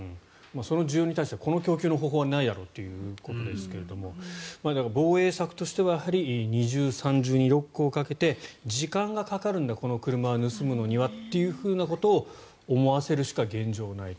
その需要に対してこの供給の方法はないだろということですが防衛策としては二重、三重にロックをかけて時間がかかるんだ、この車は盗むのにはと思わせるしか現状はない。